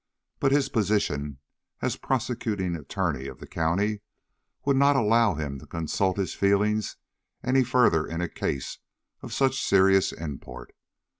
But his position as prosecuting attorney of the county would not allow him to consult his feelings any further in a case of such serious import.